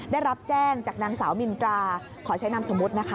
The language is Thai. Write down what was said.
ได้รับแจ้งจากนางสาวมินตราขอใช้นามสมมุตินะคะ